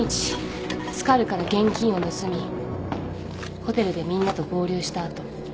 スカルから現金を盗みホテルでみんなと合流した後。